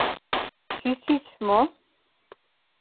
Чӱчӱч мо?